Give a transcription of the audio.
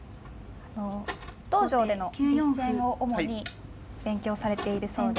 あの道場での実戦を主に勉強されているそうで。